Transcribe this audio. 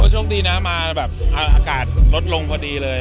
โชคดีนะมาแบบอากาศลดลงพอดีเลย